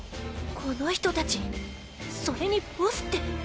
この人たちそれにボスって。